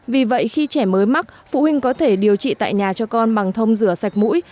vì vậy khi trẻ mới mắc phụ huynh có thể điều trị tại nhà cho con bằng thông rửa sạch mũi